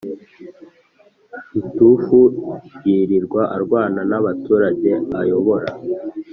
Gitufu yirirwa arwana nabaturage ayobora